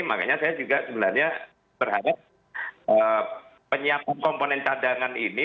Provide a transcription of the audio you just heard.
makanya saya juga sebenarnya berharap penyiapan komponen cadangan ini